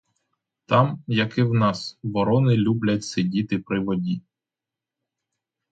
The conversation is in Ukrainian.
Там, як і в нас, ворони люблять сидіти при воді.